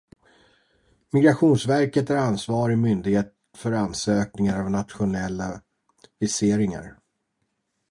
Migrationsverket är ansvarig myndighet för ansökningar av nationella viseringar.